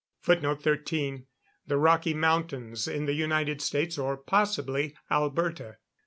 [Footnote 13: The Rocky Mountains, in the United States or possibly Alberta.